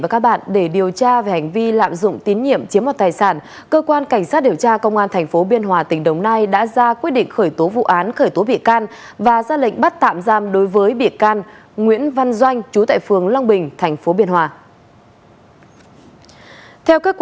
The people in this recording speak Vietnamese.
các bạn hãy đăng ký kênh để ủng hộ kênh của chúng mình nhé